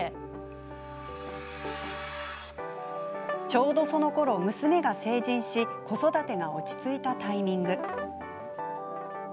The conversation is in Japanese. ちょうどそのころ娘が成人し子育てが落ち着いたタイミング。